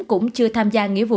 cũng chưa tham gia súng của ông hữu